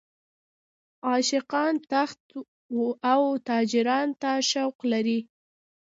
عاشقان تاخت او تاراج ته شوق لري.